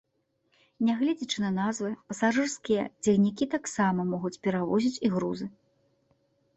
Нягледзячы на назвы, пасажырскія цягнікі таксама могуць перавозіць і грузы.